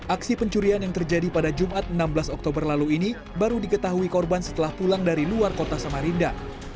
aksi pencurian yang terjadi pada jumat enam belas oktober lalu ini baru diketahui korban setelah pulang dari luar kota samarinda